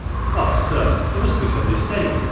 " Oh, sir, there must be some mistake